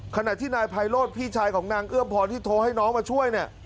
ขณะที่นายไพโรธพี่ชายของนางเอื้อมพรที่โทรให้น้องมาช่วยเนี่ย